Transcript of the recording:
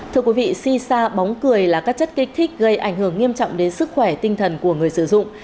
thưa quý vị si sa bóng cười là các chất kích thích gây ảnh hưởng nghiêm trọng đến sức khỏe tinh thần của người sử dụng